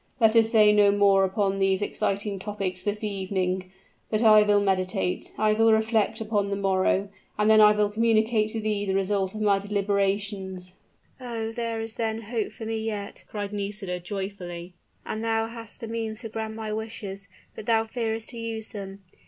Let us say no more upon these exciting topics this evening; but I will meditate, I will reflect upon the morrow, and then I will communicate to thee the result of my deliberations." "Oh! there is then hope for me yet!" cried Nisida, joyfully; "and thou hast the means to grant my wishes, but thou fearest to use them.